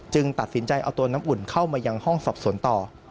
ตัดสินใจเอาตัวน้ำอุ่นเข้ามายังห้องสอบสวนต่อ